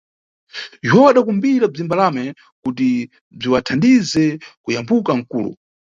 Juwawu adakumbira bzimbalame kuti bziwathandize kuyambuka nʼkulo.